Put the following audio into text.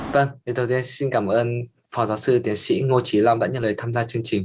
vâng thì đầu tiên xin cảm ơn phó giáo sư tiến sĩ ngô trí long đã nhận lời tham gia chương trình